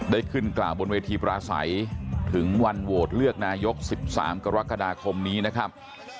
ได้ขึ้นกล่าวบนเวทีปราศัยถึงวันโหวตเลือกนายก๑๓กรกฎาคมนี้นะครับ